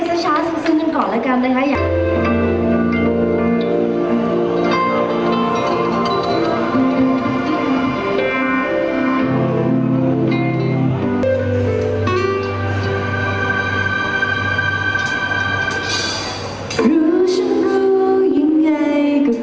รู้ฉันรู้ยังไงก็คงไม่ต่างกว่ากัน